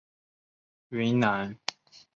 云南眼树莲为夹竹桃科眼树莲属的植物。